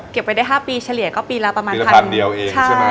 เก็บไว้ได้๕ปีเฉลี่ยก็ปีละประมาณ๑๐๐๐เดียวเองใช่ไหม